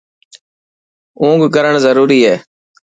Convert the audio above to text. اونگ ڪرڻ ضروري هي.